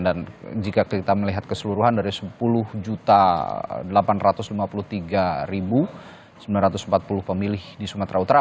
dan jika kita melihat keseluruhan dari sepuluh delapan ratus lima puluh tiga sembilan ratus empat puluh pemilih di sumatera utara